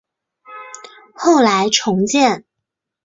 后来重建。